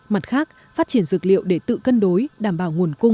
mặt khác phát triển dược liệu để tự cân đối đảm bảo nguồn cung